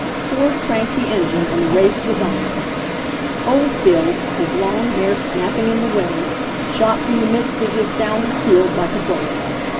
Ford cranked the engine, and the race was on. Oldfield, his long hair snapping in the wind, shot from the midst of the astounded field like a bullet.